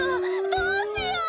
どうしよう！